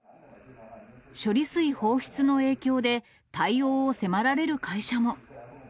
処理水放出の影響で、対応を迫られる会社も。